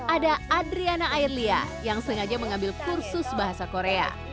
ada adriana airlia yang sengaja mengambil kursus bahasa korea